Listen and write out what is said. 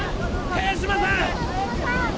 萱島さん！